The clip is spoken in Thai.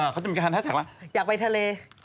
เขาจะมีแฮชแท็กแล้วอยากไปทะเล